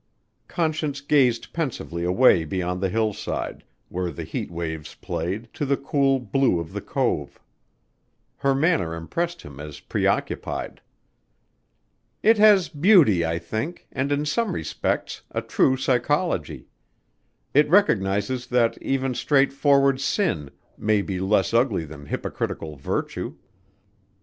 Conscience gazed pensively away beyond the hillside, where the heat waves played, to the cool blue of the cove. Her manner impressed him as preoccupied. "It has beauty, I think, and in some respects a true psychology. It recognizes that even straight forward sin may be less ugly than hypocritical virtue."